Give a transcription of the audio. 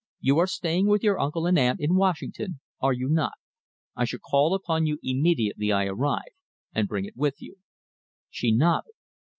You are staying with your uncle and aunt in Washington, are you not? I shall call upon you immediately I arrive, and bring it with me." She nodded.